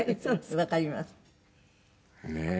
わかります」ねえ。